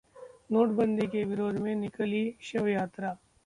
नोटबंदी के विरोध में निकली शव यात्रा